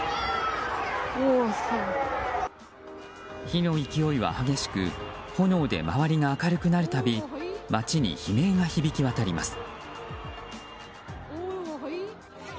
火の勢いは激しく炎で周りが明るくなる度街に悲鳴が響き渡ります。